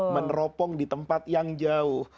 meneropong di tempat yang jauh